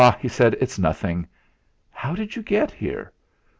he said, "it's nothing. How did you get here?